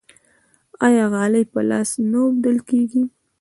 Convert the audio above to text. آیا غالۍ په لاس نه اوبدل کیږي؟